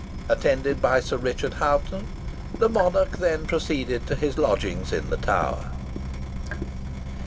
Attended by Sir Richard Hoghton, the monarch then proceeded to his lodgings in the Tower.